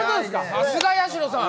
さすが八代さん。